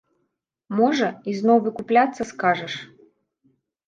Можа, ізноў выкупляцца скажаш?